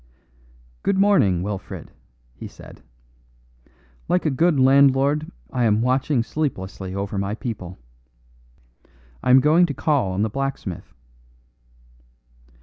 "Good morning, Wilfred," he said. "Like a good landlord I am watching sleeplessly over my people. I am going to call on the blacksmith."